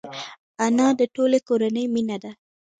انا د ټولې کورنۍ مینه ده